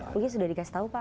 mungkin sudah dikasih tahu pak